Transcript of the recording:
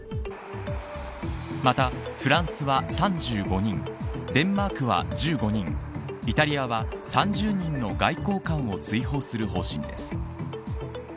また、フランスは３５人デンマークは１５人イタリアは３０人の外交官を追放する方針です。